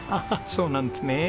そうなんですね。